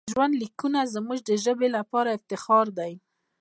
دا ژوندلیکونه زموږ د ژبې لپاره افتخار دی.